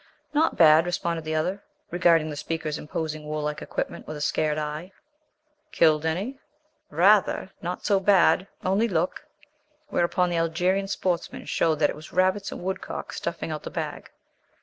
"Not bad," responded the other, regarding the speaker's imposing warlike equipment with a scared eye. "Killed any?" "Rather! Not so bad only look." Whereupon the Algerian sportsman showed that it was rabbits and woodcock stuffing out the bag.